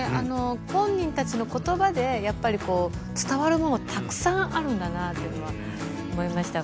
本人たちの言葉でやっぱりこう伝わるものたくさんあるんだなというのは思いましたかね。